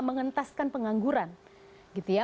mengentaskan pengangguran gitu ya